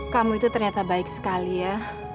kamu itu ternyata baik sekali ya